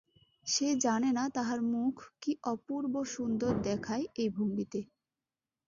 সে জানে না তাহার মুখ কি অপূর্ব সুন্দর দেখায় এই ভঙ্গিতে।